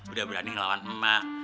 udah berani ngelawan emak